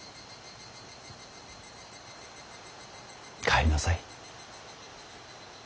帰りなさい。